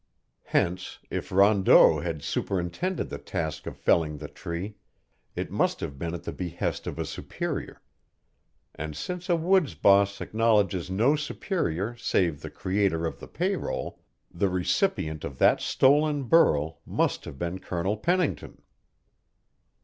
Hence, if Rondeau had superintended the task of felling the tree, it must have been at the behest of a superior; and since a woods boss acknowledges no superior save the creator of the pay roll, the recipient of that stolen burl must have been Colonel Pennington.